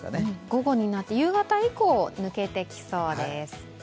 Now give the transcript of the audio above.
午後になって夕方以降、抜けていきそうです。